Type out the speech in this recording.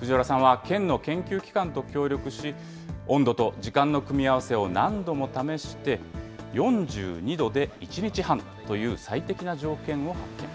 藤原さんは県の研究機関と協力し、温度と時間の組み合わせを何度も試して、４２度で１日半という最適な条件を発見。